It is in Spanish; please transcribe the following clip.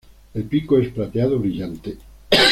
El pico es plateado brillante.